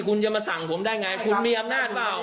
คุณจะมาสั่งผมได้ไงคุณมีอำนาจเปล่า